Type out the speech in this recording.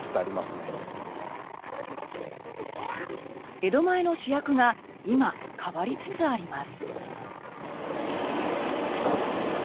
江戸前の主役が今、変わりつつあります。